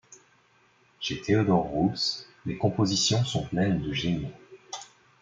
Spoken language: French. Chez Théodore Roos, les compositions sont pleines de génie.